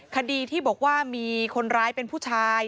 คดีที่บอกว่ามีคนร้ายเป็นผู้ชาย